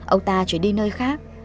ông ta chuyển đi nơi khác